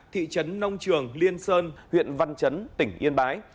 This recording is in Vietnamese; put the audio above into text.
thị trấn nông trường liên sơn huyện văn chấn tỉnh yên bái